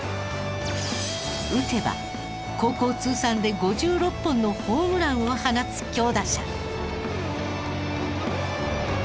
打てば高校通算で５６本のホームランを放つ強打者。